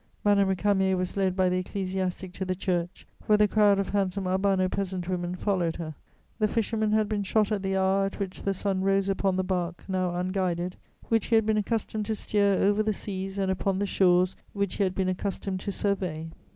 Madame Récamier was led by the ecclesiastic to the church, where the crowd of handsome Albano peasant women followed her. The fisherman had been shot at the hour at which the sun rose upon the bark, now unguided, which he had been accustomed to steer over the seas and upon the shores which he had been accustomed to survey.